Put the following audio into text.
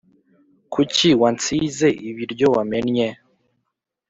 Kuki wansize ibiryo wamennye